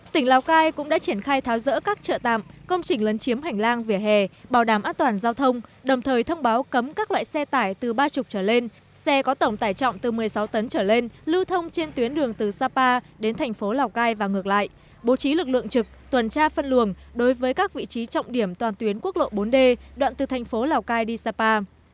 tỉnh lào cai cũng đã triển khai tháo rỡ các chợ tạm công trình lấn chiếm hành lang vỉa hè bảo đảm an toàn giao thông đồng thời thông báo cấm các loại xe tải từ ba mươi trở lên xe có tổng tải trọng từ một mươi sáu tấn trở lên lưu thông trên tuyến đường từ sapa đến thành phố lào cai và ngược lại bố trí lực lượng trực tuần tra phân luồng đối với các vị trí trọng điểm toàn tuyến quốc lộ bốn d đoạn từ thành phố lào cai đi sapa